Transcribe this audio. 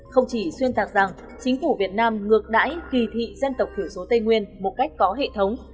không chỉ xuyên tạc rằng chính phủ việt nam ngược đãi kỳ thị dân tộc thiểu số tây nguyên một cách có hệ thống